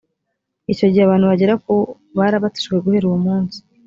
icyo gihe abantu bagera ku barabatijwe guhera uwo munsi